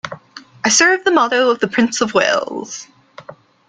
I serve the motto of the Prince of Wales.